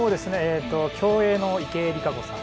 競泳の池江璃花子さん。